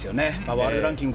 ワールドランキング